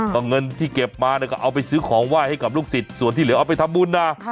ก็เงินที่เก็บมาเนี่ยก็เอาไปซื้อของไหว้ให้กับลูกศิษย์ส่วนที่เหลือเอาไปทำบุญนะ